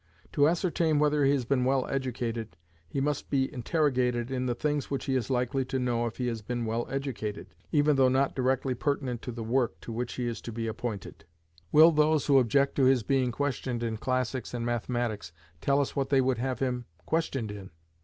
To ascertain whether he has been well educated, he must be interrogated in the things which he is likely to know if he has been well educated, even though not directly pertinent to the work to which he is to be appointed. Will those who object to his being questioned in classics and mathematics, tell us what they would have him questioned in?